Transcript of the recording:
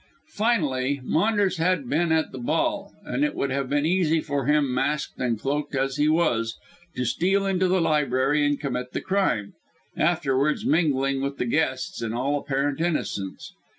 Finally, Maunders had been at the ball, and it would have been easy for him, masked and cloaked as he was, to steal into the library and commit the crime, afterwards mingling with the guests in all apparent innocence.